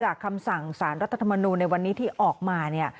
จากคำสั่งสารรัฐธรรมนูลในวันนี้ที่ออกมา